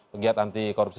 penggiat anti korupsi